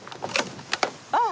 あっ。